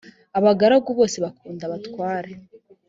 abagaragu bose bakunda abatware.